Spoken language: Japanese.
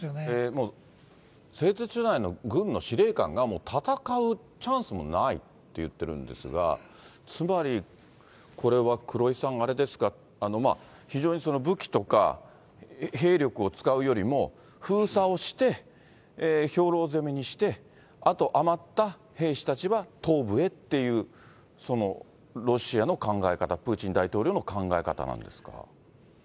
もう製鉄所内の軍の司令官が、もう戦うチャンスもないって言ってるんですが、つまりこれは黒井さん、あれですか、非常に武器とか兵力を使うよりも、封鎖をして、兵糧攻めにして、あと余った兵士たちは東部へっていう、ロシアの考え方、プーチン大統領の考え方なんですか？